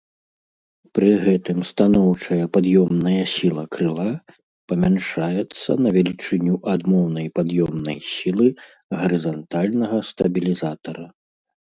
Пры гэтым станоўчая пад'ёмная сіла крыла памяншаецца на велічыню адмоўнай пад'ёмнай сілы гарызантальнага стабілізатара.